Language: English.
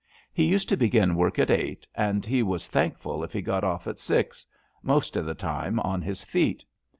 He used to begin work at eight, and he was thank ful if he got off at six; most of the time on his feet.